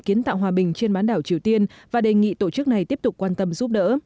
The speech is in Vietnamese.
kiến tạo hòa bình trên bán đảo triều tiên và đề nghị tổ chức này tiếp tục quan tâm giúp đỡ